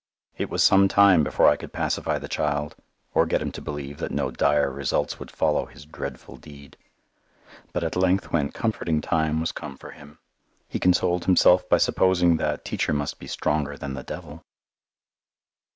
It was some time before I could pacify the child, or get him to believe that no dire results would follow his dreadful deed. But at length when "comforting time" was come for him, he consoled himself by supposing that Teacher must be "stronger than the devil."